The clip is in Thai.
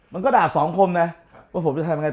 มันก็ด่าสองคมนะว่าผมจะทำยังไง